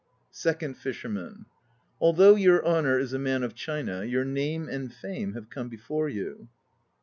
SECOND FISHERMAN. Although your Honour is a man of China, your name and fame have come before you.